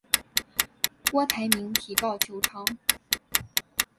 郭台铭提告求偿。